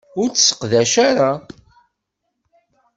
Ur t-sseqdaceɣ ara.